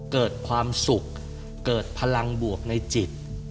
เกิดความสุขเกิดพลังบวกในจิต